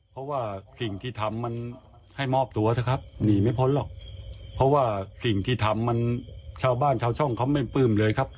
เพราะว่าสิ่งที่ทำมันให้มอบตัวเถอะครับหนีไม่พ้นหรอกเพราะว่าสิ่งที่ทำมันชาวบ้านชาวช่องเขาไม่ปลื้มเลยครับ